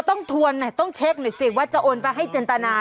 ต้องถาวนเนี่ยต้องกดน่ะสิว่าจะโอนมาให้จินตนา